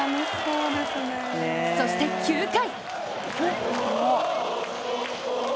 そして９回。